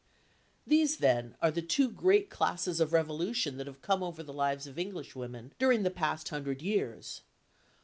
These, then, are the two great classes of revolution that have come over the lives of Englishwomen during the past hundred years.